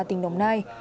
tỉnh đồng nai